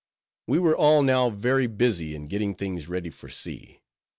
We were all now very busy in getting things ready for sea.